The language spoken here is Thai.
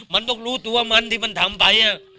มันต้องรู้ตัวมันที่มันทำไป